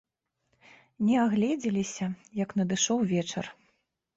Не агледзеліся, як надышоў вечар.